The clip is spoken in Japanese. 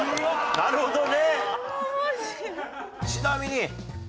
なるほどね。